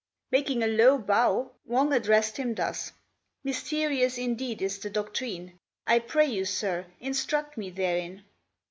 Making a low bow, Wang addressed him thus: "Mysterious indeed is the doctrine: I pray you, Sir, instruct me therein."